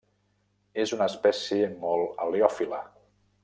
És una espècie molt heliòfila.